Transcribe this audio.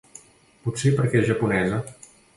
Potser perquè és japonesa.